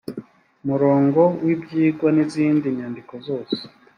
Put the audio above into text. murongo w ibyigwa n izindi nyandiko zose